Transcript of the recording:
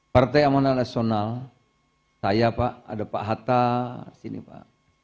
partai amanah nasional saya pak ada pak hatta sini pak